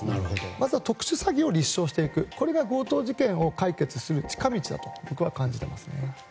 まずは特殊詐欺を立証していくことが強盗事件を解決する近道だと僕は感じていますね。